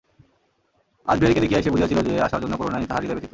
আজ বিহারীকে দেখিয়াই সে বুঝিয়াছিল যে, আশার জন্য করুণায় তাহার হৃদয় ব্যথিত।